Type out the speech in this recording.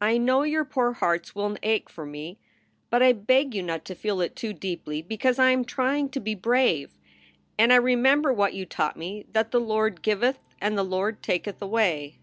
I know your poor hearts will ache for me, but I beg you not to feel it too deeply, because I am trying to be brave. And I remember what you taught me, that the Lord giveth and the Lord taketh away.